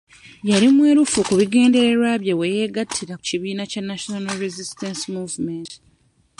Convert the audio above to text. Yali mwerufu ku bigendererwa bye we yegattira ku kibiina kya National Resisitance Movement.